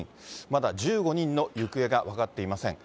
まだ１５人の行方が分かっていません。